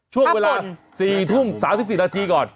ช่วงเวลา๔ทุ่ม๓๔นาทีก่อน